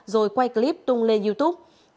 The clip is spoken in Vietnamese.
rồi quay clip tung lên youtube